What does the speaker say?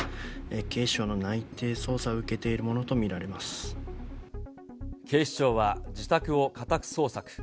警視庁の内偵捜査を受けているも警視庁は自宅を家宅捜索。